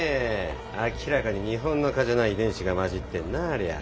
明らかに日本の蚊じゃない遺伝子が混じってんなありゃ。